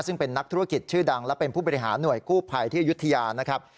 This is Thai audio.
ซึ่งเป็นนักธุรกิจชื่อดังและเป็นผู้บริหารหน่วยกู้ภัยที่อายุทยานะครับ